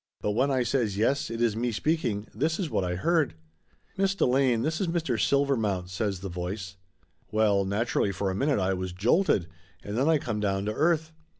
But when I says "Yes, it is me speaking," this is what I heard. "Miss Delane, this is Mr. Silvermount," says the voice. Well, naturally for a minute I was jolted and then I come down to earth.